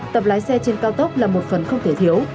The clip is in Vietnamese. tập lái xe trên cao tốc là một phần không thể thiếu